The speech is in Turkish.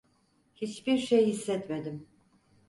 Hiçbir şey hissetmedim.